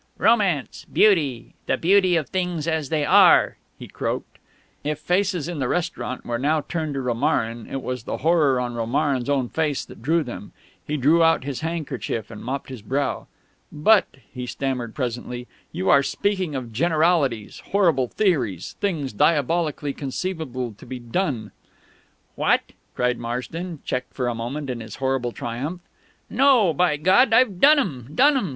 "Romance Beauty the Beauty of things as they are!" he croaked. If faces in the restaurant were now turned to Romarin, it was the horror on Romarin's own face that drew them. He drew out his handkerchief and mopped his brow. "But," he stammered presently, "you are speaking of generalities horrible theories things diabolically conceivable to be done " "What?" cried Marsden, checked for a moment in his horrible triumph. "No, by God! I've done 'em, done 'em!